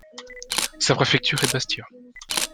Sa préfecture est Bastia.